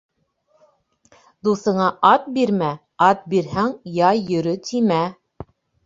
Дуҫыңа ат бирмә, ат бирһәң, «яй йөрө» тимә.